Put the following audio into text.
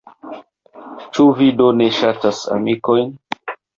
Ĉu vi do ne ŝatas amikojn?